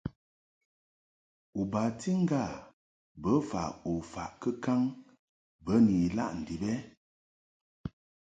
U bati ŋgâ bofa u faʼ kɨ kan bə ni ilaʼ ndib ɛ ?